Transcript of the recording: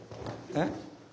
えっ？